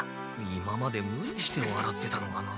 今までムリしてわらってたのかなあ？